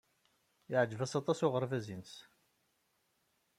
Yeɛjeb-as aṭas uɣerbaz-nnes.